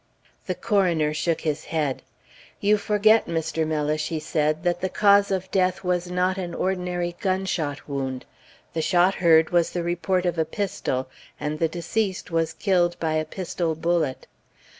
The coroner shook his head. "You forget, Mr. Mellish," he said, "that the cause of death was not an ordinary gunshot wound. The shot heard was the report of a pistol, and the deceased was killed by a pistol bullet."